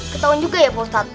ketahuin juga ya ustadz